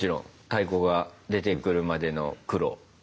太鼓が出てくるまでの苦労。